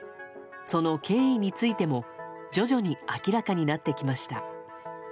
その経緯についても徐々に明らかになってきました。